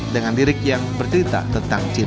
dengan lirik yang bercerita tentang cinta